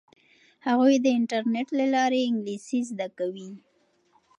هغوی د انټرنیټ له لارې انګلیسي زده کوي.